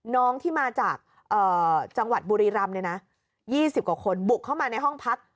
น้องที่มาจากจังหวัดบุรีรำ๒๐กว่าคนบุกเข้ามาในห้องพัก